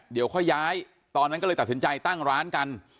เดี๋ยวค่อยย้ายตอนนั้นก็เลยตัดสินใจตั้งร้านกัน